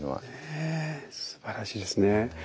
ねえすばらしいですね。